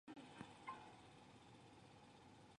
卡芭叶也是少数曾和摇滚音乐人合作过的歌剧唱家。